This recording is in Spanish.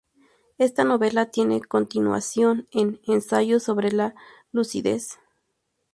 Esta novela tiene continuación en "Ensayo sobre la lucidez".